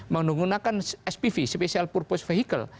menggunakan spv special purpose vehicle